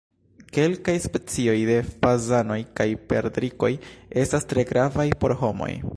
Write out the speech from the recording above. Kelkaj specioj de fazanoj kaj perdrikoj estas tre gravaj por homoj.